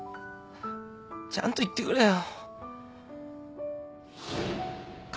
ちゃんと言ってくれよ。